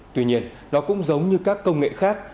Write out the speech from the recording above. tuy nhiên nó cũng giống như các công nghệ khác